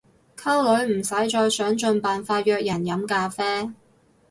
溝女唔使再想盡辦法約人飲咖啡